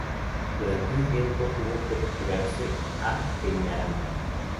Durante un tiempo tuvo que retirarse a Peñaranda.